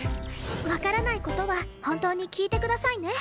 わからない事は本当に聞いてくださいね。